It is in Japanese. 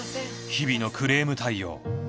日々のクレーム対応。